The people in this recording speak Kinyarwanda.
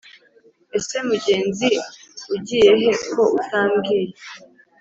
Ese mugenzi ugiye he ko utambwiye